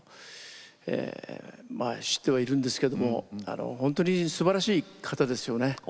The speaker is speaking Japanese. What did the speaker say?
まあ知ってはいるんですけども本当にすばらしい方ですよね。